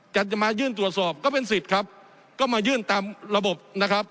จะมายื่นตรวจสอบก็เป็นสิทธิ์ครับก็มายื่นตามระบบนะครับ